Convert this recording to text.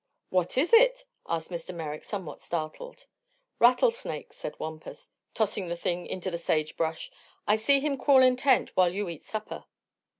"What is it?" asked Mr. Merrick, somewhat startled. "Rattlesnake," said Wampus, tossing the thing into the sagebrush. "I see him crawl in tent while you eat supper."